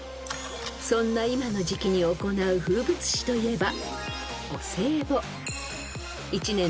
［そんな今の時季に行う風物詩といえば］